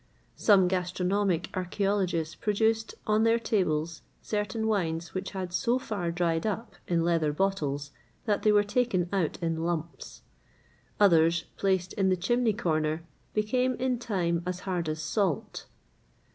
Some gastronomic archæologists produced, on their tables certain wines which had so far dried up in leather bottles, that they were taken out in lumps;[XXVIII 101] others, placed in the chimney corner, became in time as hard as salt.